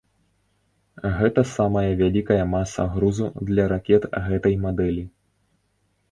Гэта самая вялікая маса грузу для ракет гэтай мадэлі.